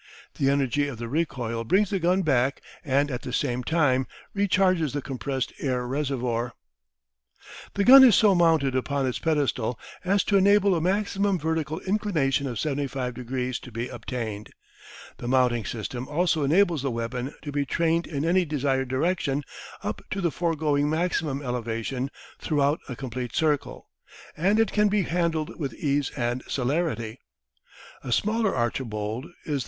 The energy of the recoil brings the gun back and at the same time recharges the compressed air reservoir. The gun is so mounted upon its pedestal as to enable a maximum vertical inclination of 75 degrees to be obtained. The mounting system also enables the weapon to be trained in any desired direction up to the foregoing maximum elevation throughout a complete circle, and it can be handled with ease and celerity. A smaller "Archibald" is the 7.